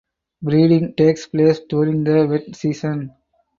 Breeding takes place during the wet season.